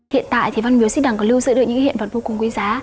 hiện tại thì văn miếu xích đằng có lưu giữ được những hiện vật vô cùng quý giá